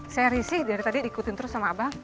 saya risih dari tadi diikutin terus sama abang